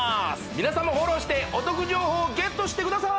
皆さんもフォローしてお得情報をゲットしてください